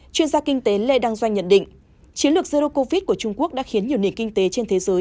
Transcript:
chuyên gia kinh tế lê đăng doanh nhận định chiến lược zero covid của trung quốc đã khiến nhiều nền kinh tế trên thế giới